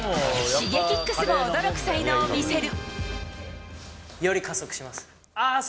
Ｓｈｉｇｅｋｉｘも驚く才能を見せる。